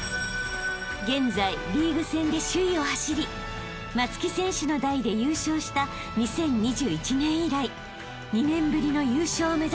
［現在リーグ戦で首位を走り松木選手の代で優勝した２０２１年以来２年ぶりの優勝を目指す